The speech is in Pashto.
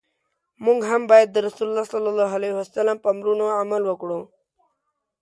موږ هم باید د رسول الله ص په امرونو عمل وکړو.